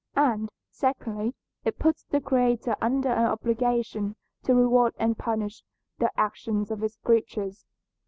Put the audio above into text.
And, secondly, it puts the Creator under an obligation to reward and punish the actions of his creatures.